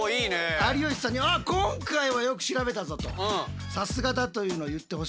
有吉さんに「あっ今回はよく調べたぞ」と「さすがだ」というのを言ってほしいので。